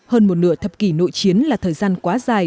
hơn một nửa thập kỷ nội chiến là thời gian quá dài